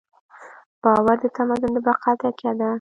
باور د تمدن د بقا تکیه ده.